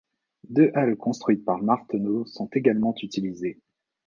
Deux halles construites par Martenot sont également utilisées.